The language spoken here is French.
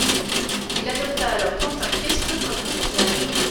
Il adopta alors Quentin Crisp comme nom d'usage.